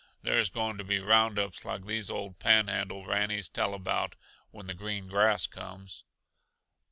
There's going to be roundups like these old Panhandle rannies tell about, when the green grass comes."